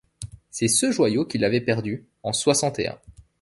C’est ce joyau qui l’avait perdue, en soixante et un.